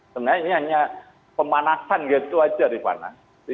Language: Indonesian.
sebenarnya ini hanya pemanasan gitu aja di mana